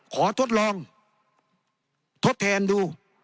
ทดลองทดแทนดู